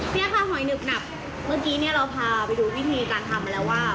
เนี่ยค่ะหอยหึบหนับเมื่อกี้เนี่ยเราพาไปดูวิธีการทำมาแล้วว่า